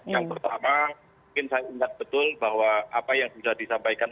yang pertama mungkin saya ingat betul bahwa apa yang sudah disampaikan